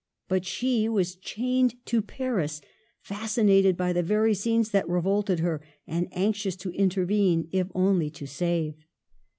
But she was chained to Paris, fascinated by the very scenes that revolted her, and anxious to intervene if only to save.